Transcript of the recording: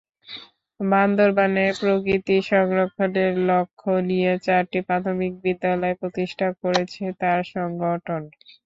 বান্দরবানে প্রকৃতি সংরক্ষণের লক্ষ্য নিয়ে চারটি প্রাথমিক বিদ্যালয় প্রতিষ্ঠা করেছে তাঁর সংগঠন।